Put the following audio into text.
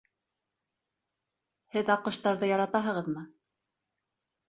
Һеҙ аҡҡоштарҙы яратаһығыҙмы?